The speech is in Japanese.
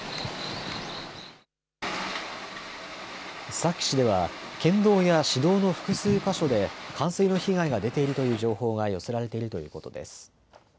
須崎市では、県道や市道の複数か所で冠水の被害が出ているという情報が寄せられているということです。